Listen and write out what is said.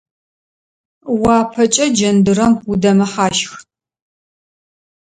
Уапэкӏэ джэндырэм удэмыхьащх.